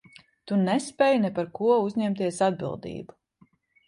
Tu nespēj ne par ko uzņemties atbildību.